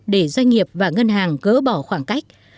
để doanh nghiệp và ngân hàng gỡ bỏ khoảng cách